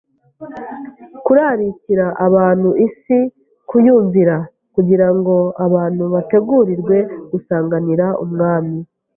kurarikira abatuye isi kuyumvira, kugira ngo abantu bategurirwe gusanganira Umwami